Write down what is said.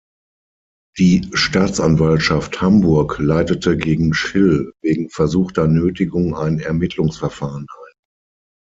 Die Staatsanwaltschaft Hamburg leitete gegen Schill wegen versuchter Nötigung ein Ermittlungsverfahren ein.